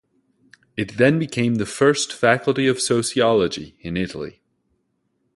It then became the first Faculty of Sociology in Italy.